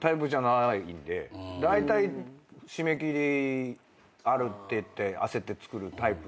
だいたい締め切りあるっていって焦って作るタイプなんすよ。